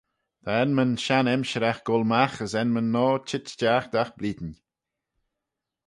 Ta enmyn shenn-emshiragh goll magh as enmyn noa çheet stiagh dagh blein.